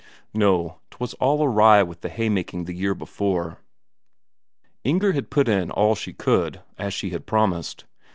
No, 'twas all awry with the haymaking the year before. Inger had put in all she could, as she had promised.